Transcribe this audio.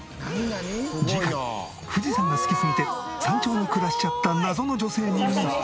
次回富士山が好きすぎて山頂に暮らしちゃった謎の女性に密着。